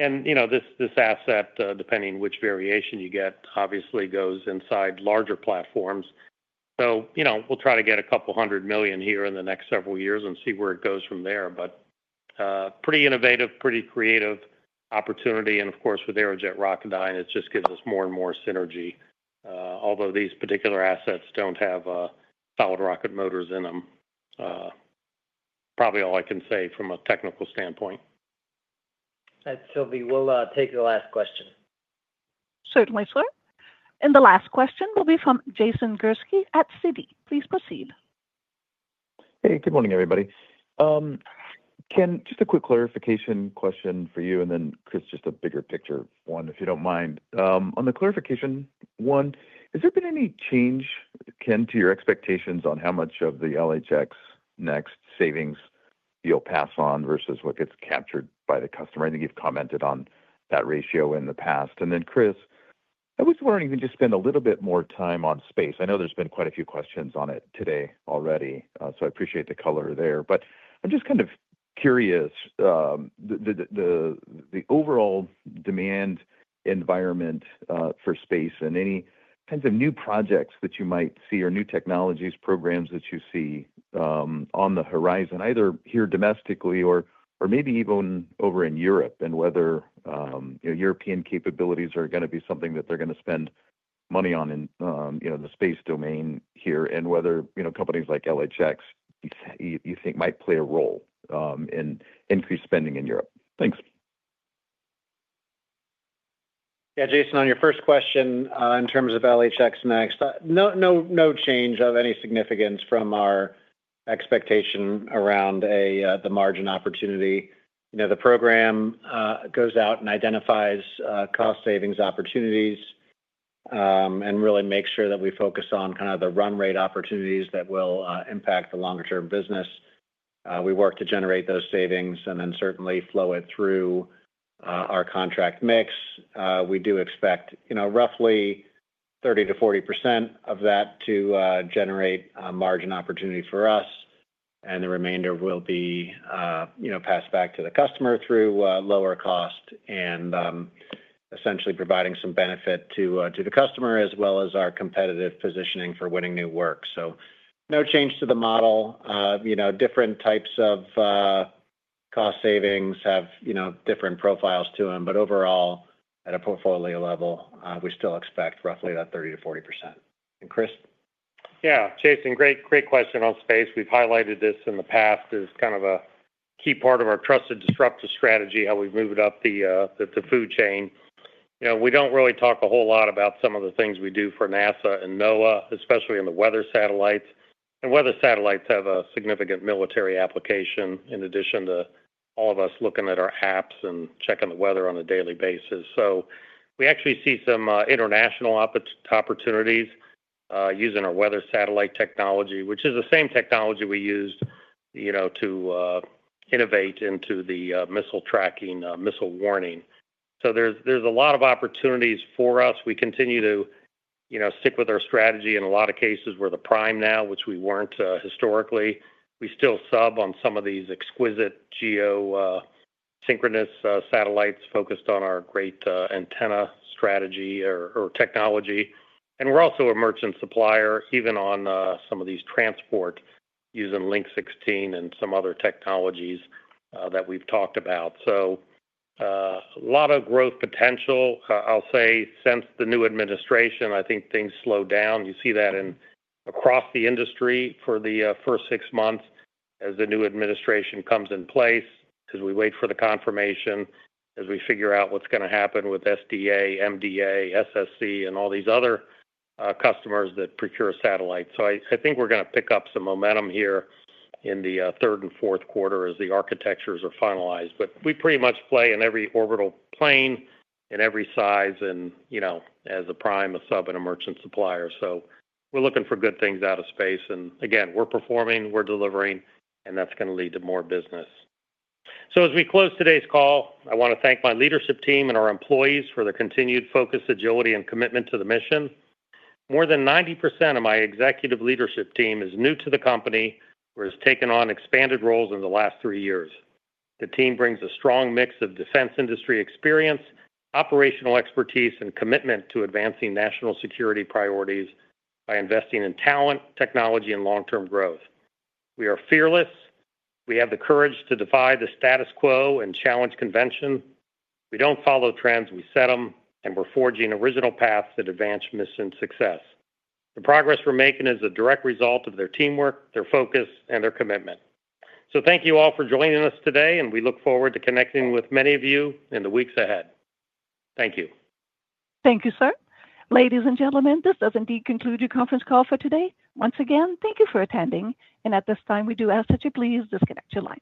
You know, this asset, depending on which variation you get, obviously goes inside larger platforms. We will try to get a couple hundred million here in the next several years and see where it goes from there. Pretty innovative, pretty creative opportunity. Of course, with Aerojet Rocketdyne, it just gives us more and more synergy. Although these particular assets do not have solid rocket motors in them. Probably all I can say from a technical standpoint. That's Sylvie. We'll take the last question. Certainly. The last question will be from Jason Gursky at Citi. Please proceed. Hey, good morning, everybody. Ken, just a quick clarification question for you. And then, Chris, just a bigger picture one, if you don't mind. On the clarification one, has there been any change, Ken, to your expectations on how much of the LHX Next savings you'll pass on versus what gets captured by the customer? I think you've commented on that ratio in the past. And then, Chris, I was wondering if you could just spend a little bit more time on space. I know there's been quite a few questions on it today already. I appreciate the color there. I'm just kind of curious. The overall demand environment for space and any kinds of new projects that you might see or new technologies, programs that you see. On the horizon, either here domestically or maybe even over in Europe, and whether European capabilities are going to be something that they're going to spend money on in the space domain here, and whether companies like LHX you think might play a role in increased spending in Europe. Thanks. Yeah, Jason, on your first question in terms of LHX Next, no change of any significance from our expectation around the margin opportunity. You know the program goes out and identifies cost savings opportunities and really makes sure that we focus on kind of the run rate opportunities that will impact the longer-term business. We work to generate those savings and then certainly flow it through our contract mix. We do expect, you know, roughly 30%-40% of that to generate margin opportunity for us, and the remainder will be, you know, passed back to the customer through lower cost and essentially providing some benefit to the customer as well as our competitive positioning for winning new work. No change to the model. You know, different types of cost savings have, you know, different profiles to them, but overall, at a portfolio level, we still expect roughly that 30%-40%. And Chris? Yeah, Jason, great question on space. We've highlighted this in the past as kind of a key part of our trusted disruptive strategy, how we've moved up the food chain. You know we don't really talk a whole lot about some of the things we do for NASA and NOAA, especially in the weather satellites. And weather satellites have a significant military application in addition to all of us looking at our apps and checking the weather on a daily basis. We actually see some international opportunities. Using our weather satellite technology, which is the same technology we used, you know, to innovate into the missile tracking, missile warning. There's a lot of opportunities for us. We continue to, you know, stick with our strategy in a lot of cases where the prime now, which we weren't historically. We still sub on some of these exquisite geosynchronous satellites focused on our great antenna strategy or technology. We're also a merchant supplier, even on some of these transport using Link 16 and some other technologies that we've talked about. A lot of growth potential. I'll say since the new administration, I think things slowed down. You see that across the industry for the first six months as the new administration comes in place, as we wait for the confirmation, as we figure out what's going to happen with SDA, MDA, SSC, and all these other customers that procure satellites. I think we're going to pick up some momentum here in the third and fourth quarter as the architectures are finalized. We pretty much play in every orbital plane, in every size, and, you know, as a prime, a sub, and a merchant supplier. We're looking for good things out of space. Again, we're performing, we're delivering, and that's going to lead to more business. As we close today's call, I want to thank my leadership team and our employees for their continued focus, agility, and commitment to the mission. More than 90% of my executive leadership team is new to the company, or has taken on expanded roles in the last three years. The team brings a strong mix of defense industry experience, operational expertise, and commitment to advancing national security priorities by investing in talent, technology, and long-term growth. We are fearless. We have the courage to defy the status quo and challenge convention. We don't follow trends. We set them, and we're forging original paths that advance mission success. The progress we're making is a direct result of their teamwork, their focus, and their commitment. Thank you all for joining us today, and we look forward to connecting with many of you in the weeks ahead. Thank you. Thank you, sir. Ladies and gentlemen, this does indeed conclude your conference call for today. Once again, thank you for attending. At this time, we do ask that you please disconnect your lines.